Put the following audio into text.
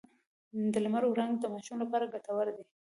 د لمر وړانګې د ماشوم لپاره ګټورې دي۔